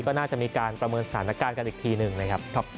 ก็น่าจะมีการประเมินสถานการณ์กันอีกทีหนึ่งนะครับ